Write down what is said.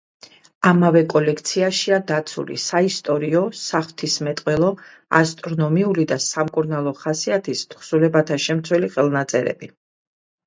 ამავე კოლექციაშია დაცული საისტორიო, საღვთისმეტყველო, ასტრონომიული და სამკურნალო ხასიათის თხზულებათა შემცველი ხელნაწერები.